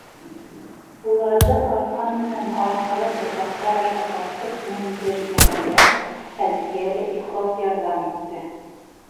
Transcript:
Уларҙы арҡан менән арҡыры ботаҡтар аша тартып мендергәндә Әлфиә лә ихлас ярҙам итте.